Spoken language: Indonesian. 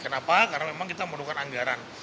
kenapa karena memang kita memerlukan anggaran